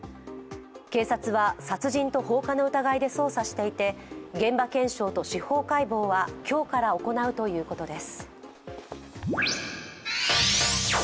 警察は殺人と放火の疑いで捜査していて現場検証と司法解剖は今日から行うということです。